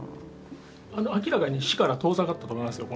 明らかに死から遠ざかったと思いますよ。